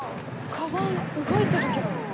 カバン動いてるけど。